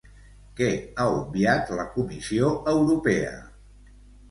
Què ha obviat la Comissió Europea?